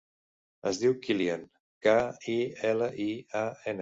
Es diu Kilian: ca, i, ela, i, a, ena.